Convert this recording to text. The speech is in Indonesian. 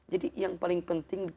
jadi yang paling penting